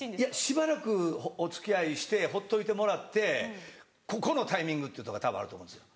しばらくお付き合いして放っといてもらってここのタイミング！っていうとこたぶんあると思うんですよ。